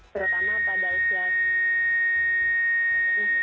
terutama pada usia